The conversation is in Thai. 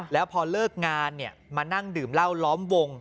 แล้วพอเลิกงานมานั่งดื่มเหล้าล้อมวง